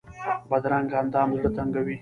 بدرنګه اندام زړه تنګوي